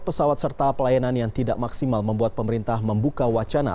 pesawat serta pelayanan yang tidak maksimal membuat pemerintah membuka wacana